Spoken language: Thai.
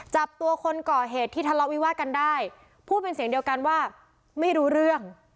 จับตัวคนก่อเหตุที่ทะเลาะวิวาดกันได้พูดเป็นเสียงเดียวกันว่าไม่รู้เรื่อง